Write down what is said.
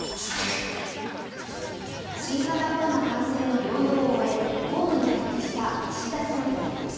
新型コロナ感染の療養を終え公務に復帰した岸田総理。